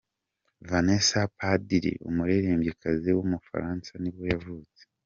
Vanessa Paradis, umuririmbyikazi w’umufaransa nibwo yavutse.